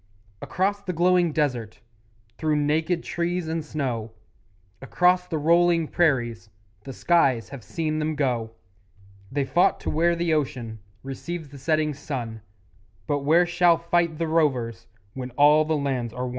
Across the glowing desert; Through naked trees and snow; Across the rolling prairies The skies have seen them go; They fought to where the ocean Receives the setting sun; But where shall fight the rovers When all the lands are won?